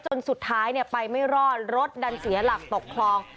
จนสุดท้ายไปไม่รอดรถดันเสียหลักตกคลอง